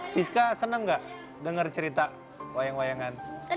siska senang gak denger cerita wayang wayangan